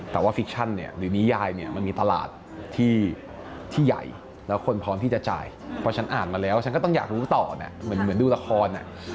แต่ว่าฟิกชั่นเนี่ยหรือนิยายเนี่ยมันมีตลาดที่ใหญ่แล้วคนพร้อมที่จะจ่ายเพราะฉันอ่านมาแล้วฉันก็ต้องอยากรู้ต่อนะเหมือนดูละคร